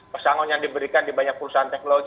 pesangon yang diberikan di banyak perusahaan teknologi